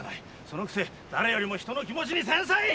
そのくせ誰よりも人の気持ちに繊細！